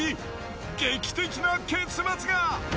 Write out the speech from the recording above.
劇的な結末が。